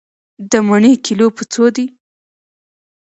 د مڼې کيلو په څو دی؟